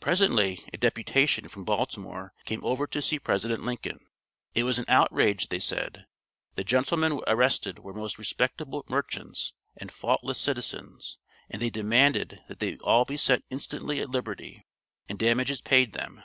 Presently a deputation from Baltimore came over to see President Lincoln. It was an outrage, they said; the gentlemen arrested were most respectable merchants and faultless citizens, and they demanded that they all be set instantly at liberty and damages paid them.